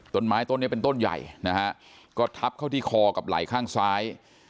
ต้นไม้ต้นนี้เป็นต้นใหญ่นะฮะก็ทับเข้าที่คอกับไหล่ข้างซ้าย